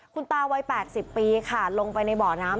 คุณตาวัย๘๐ปีค่ะลงไปในบ่อน้ำ